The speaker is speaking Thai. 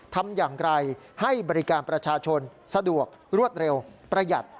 ทำอย่างไรให้บริการประชาชนสะดวกรวดเร็วประหยัด